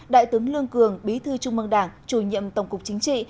đại tướng lương cường bí thư trung mương đảng chủ nhiệm tổng cục chính trị